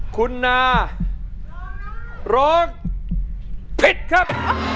คุณนาร้องผิดครับ